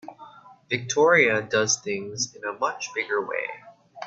Victoria does things in a much bigger way.